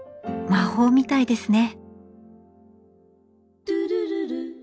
魔法みたいですね。